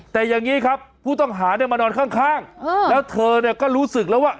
แต่อย่างนี้ครับผู้ต้องหาเนี่ยมานอนข้างแล้วเธอเนี่ยก็รู้สึกแล้วว่า